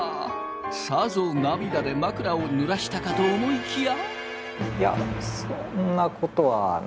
さぞ涙で枕をぬらしたかと思いきや。